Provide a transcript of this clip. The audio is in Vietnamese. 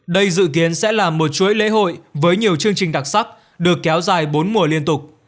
đây dự kiến sẽ là một chuỗi lễ hội với nhiều chương trình đặc sắc được kéo dài bốn mùa liên tục